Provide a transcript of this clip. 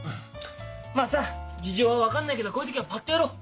まあさ事情は分かんないけどこういう時はパッとやろう。